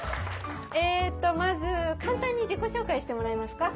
えっとまず簡単に自己紹介してもらえますか？